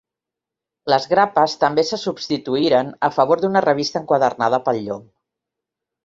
Les grapes també se substituïren a favor d'una revista enquadernada pel llom.